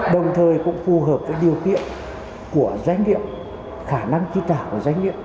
đồng thời cũng phù hợp với điều kiện của doanh nghiệp khả năng ký tả của doanh nghiệp